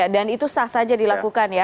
dan itu sah saja dilakukan ya